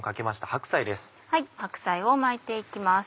白菜を巻いて行きます。